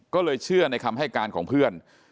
ก็เลยเชื่อในคำให้การของเพื่อน